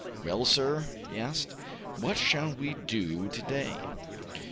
"Well, sir," he asked, "what shall we do to day?"